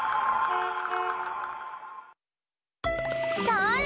それ！